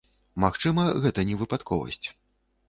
Магчыма, гэта не выпадковасць.